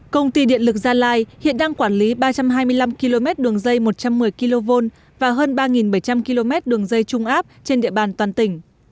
công ty điện lực gia lai hiện đang quản lý ba trăm hai mươi năm km đường dây một trăm một mươi kv và hơn ba bảy trăm linh km đường dây trung áp trên địa bàn toàn tỉnh